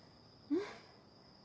うん。